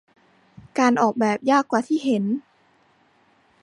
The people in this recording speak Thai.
การออกแบบยากกว่าที่เห็น